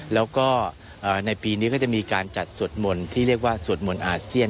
แล้วก็ในปีนี้ก็จะมีการจัดสวดมนต์ที่เรียกว่าสวดมนต์อาเซียน